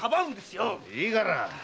いいから！